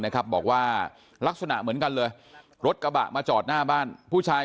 นะครับบอกว่าลักษณะเหมือนกันเลยรถกระบะมาจอดหน้าบ้านผู้ชาย